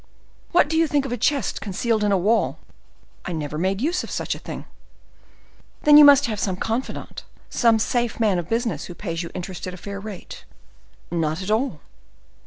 "What do you think of a chest concealed in a wall?" "I never made use of such a thing." "Then you must have some confidant, some safe man of business who pays you interest at a fair rate." "Not at all."